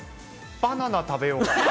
バナナ食べようかな。